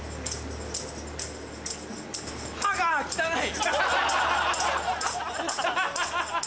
歯が汚い！